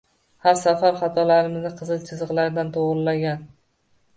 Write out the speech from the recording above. Har safar xatolarimizni qizil chizgilarla to‘g‘rilagan